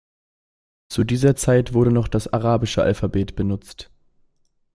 Zu dieser Zeit wurde noch das Arabische Alphabet benutzt.